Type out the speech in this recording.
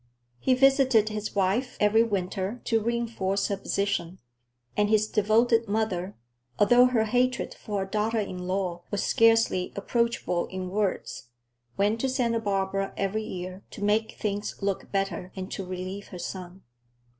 He visited his wife every winter to reinforce her position, and his devoted mother, although her hatred for her daughter inlaw was scarcely approachable in words, went to Santa Barbara every year to make things look better and to relieve her son.